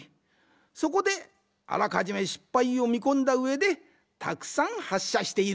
そこであらかじめ失敗をみこんだうえでたくさんはっしゃしているんじゃ。